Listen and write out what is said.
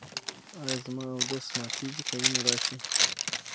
ایا زما اودس ماتیږي که وینه راشي؟